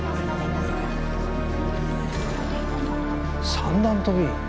三段跳び？